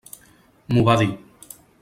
M'ho va dir.